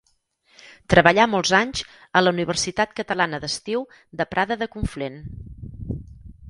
Treballà molts anys a la Universitat Catalana d'Estiu de Prada de Conflent.